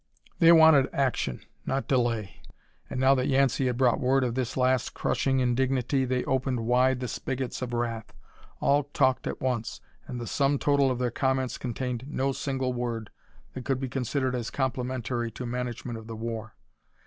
They wanted action, not delay. And now that Yancey had brought word of this last crushing indignity, they opened wide the spigots of wrath, all talked at once, and the sum total of their comments contained no single word that could be considered as complimentary to management of the war.